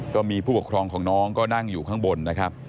ก็มีผู้ปกครองของน้องก็นั่งอยู่ข้างบนนะครับ